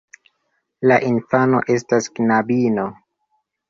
La infano estas knabino.